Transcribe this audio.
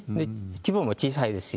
規模も小さいですし。